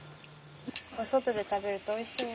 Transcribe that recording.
お外で食べるとおいしいね。